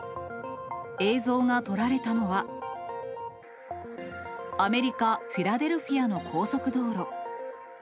映像が撮られたのは、アメリカ・フィラデルフィアの高速道路。